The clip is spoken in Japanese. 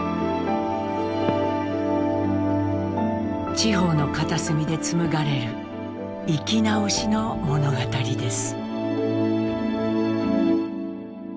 地方の片隅で紡がれる生きなおしの物語です。